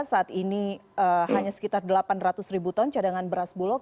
saat ini hanya sekitar delapan ratus ribu ton cadangan beras bulog